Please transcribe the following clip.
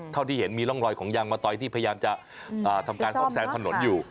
เท่าที่เห็นมีร่องรอยของยางมะตอยที่พยายามจะทำการซ่อมแซมถนนอยู่